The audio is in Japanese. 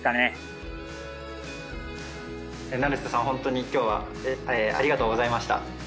本当に今日はありがとうございました。